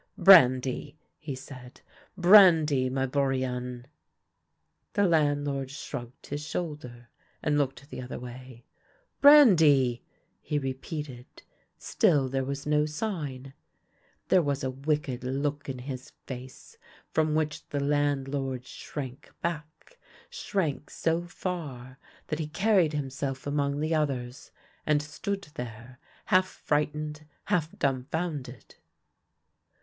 Brandv !" he said ;" brandy, my Bourienne !" 112 THE LANE THAT HAD NO TURNING The landlord shrugged his shoulder, and looked the other way. " Brandy !" he repeated. Still there was no sign. There was a wicked look in his face, from which the landlord shrank back — shrank so far that he carried himself among the others, and stood there, half fright ened, half dumfounded.